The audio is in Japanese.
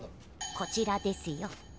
こちらですよ。